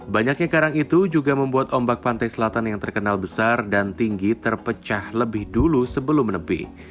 banyaknya karang itu juga membuat ombak pantai selatan yang terkenal besar dan tinggi terpecah lebih dulu sebelum nepi